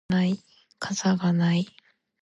傘がない